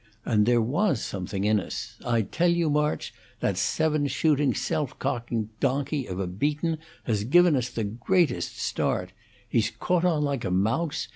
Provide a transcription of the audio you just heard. And there was something in us! I tell you, March, that seven shooting self cocking donkey of a Beaton has given us the greatest start! He's caught on like a mouse.